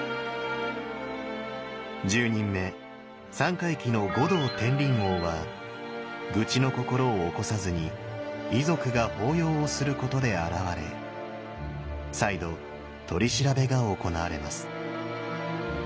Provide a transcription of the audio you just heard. １０人目三回忌の五道転輪王は愚痴の心を起こさずに遺族が法要をすることで現れ再度取り調べが行われます。